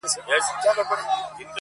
په زلفو ورا مه كوه مړ به مي كړې.